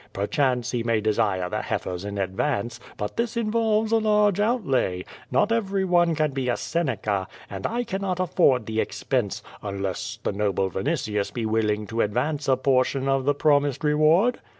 Perchance he may desire the heifers in advance, but this involves a large outlay. Not every one can be a Seneca, and I cannot afford the expense, unless the noble Yinitius be willing to advance a portion of the promised reward.''